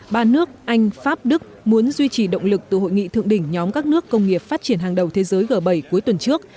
ba nước anh pháp đức muốn duy trì động lực từ hội nghị thượng đỉnh nhóm các nước công nghiệp phát triển hàng đầu thế giới g bảy cuối tuần trước